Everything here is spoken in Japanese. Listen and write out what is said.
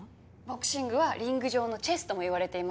ボクシングはリング上のチェスともいわれています。